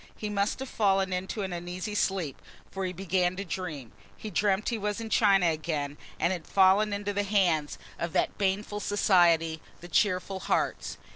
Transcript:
He must have fallen into an uneasy sleep for he began to dream. He dreamt he was in China again and had fallen into the hands of that baneful society, the "Cheerful Hearts."